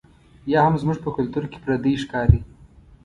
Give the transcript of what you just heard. یا هم زموږ په کلتور کې پردۍ ښکاري.